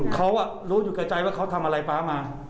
เขารู้อยู่แก่ใจว่าเขาทำอะไรป๊ามา